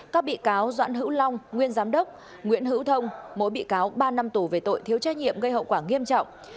các bị cáo doãn hữu long nguyên giám đốc nguyễn hữu thông mỗi bị cáo ba năm tù về tội thiếu trách nhiệm gây hậu quả nghiêm trọng